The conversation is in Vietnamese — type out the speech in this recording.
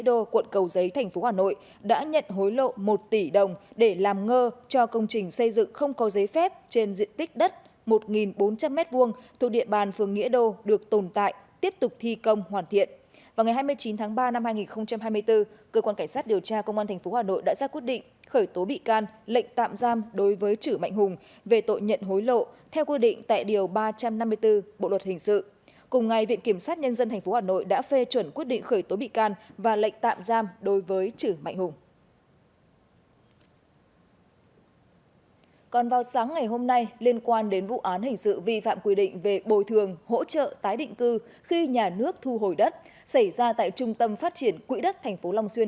cơ quan cảnh sát điều tra công an tỉnh an giang đã tiến hành tống đạt quyết định khởi tố bị can bắt tạm giam đối với nguyễn bảo sinh là phó chủ tịch ubnd tp long xuyên